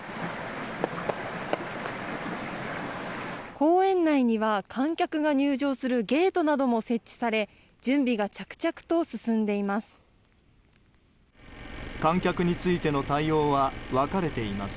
公園内には観客が入場するゲートなども設置され準備が着々と進んでいます。